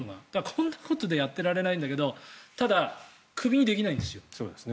こんなことやってられないんだけどただ、クビにできないんですよ。